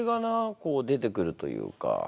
こう出てくるというか。